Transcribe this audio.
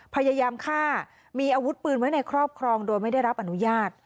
พยายามฆ่ามีอาวุธปืนไว้ในครอบครองโดยไม่ได้รับอนุญาต